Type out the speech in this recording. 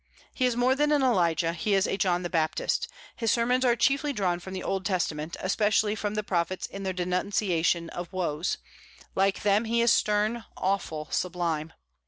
He is more than an Elijah, he is a John the Baptist His sermons are chiefly drawn from the Old Testament, especially from the prophets in their denunciation of woes; like them, he is stern, awful, sublime.